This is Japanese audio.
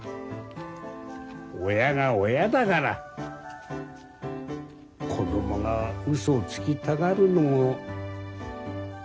親が親だから子供がうそをつきたがるのも無理はないよなあ。